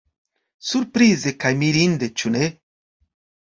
Surprize kaj mirinde, ĉu ne?